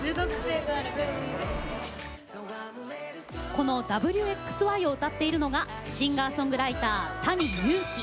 この「Ｗ／Ｘ／Ｙ」を歌っているのがシンガーソングライターＴａｎｉＹｕｕｋｉ。